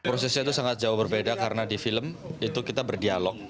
prosesnya itu sangat jauh berbeda karena di film itu kita berdialog